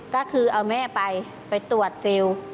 ก็คือเอาแม่ไปไปตรวจซิล